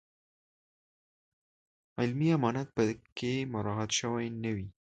علمي امانت په کې مراعات شوی نه وي.